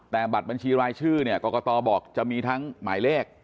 แต่บัตรบัญชีรายชื่อเนี่ยกรกตบอกจะมีทั้งหมายเลข